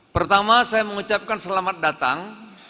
pertama saya mengucapkan selamat datang